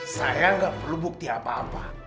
saya nggak perlu bukti apa apa